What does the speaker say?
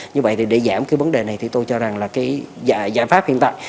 như vậy thì để giảm cái vấn đề này thì tôi cho rằng là cái giải pháp hiện tại